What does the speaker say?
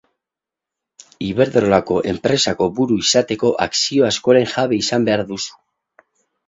Iberdrolako enpresako buru izateko akzio askoren jabe izan behar duzu.